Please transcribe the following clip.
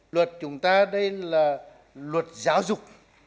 luật chúng ta đây là luật giáo dục